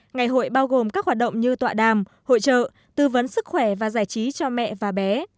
ngày hội bao gồm các hoạt động như tọa đàm hội trợ tư vấn sức khỏe và giải trí cho mẹ và bé